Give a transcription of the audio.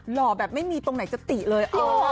หล่อแบบไม่มีตรงไหนจะติเลย